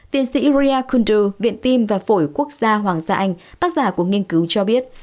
tiến sĩ ria konder viện tim và phổi quốc gia hoàng gia anh tác giả của nghiên cứu cho biết